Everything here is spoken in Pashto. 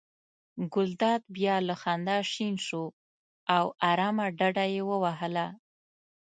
ګلداد بیا له خندا شین شو او آرامه ډډه یې ووهله.